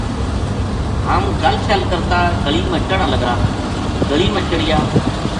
ہم گل شل کر تا گلی ما چڑھاں لگا گلی ما چڑھیا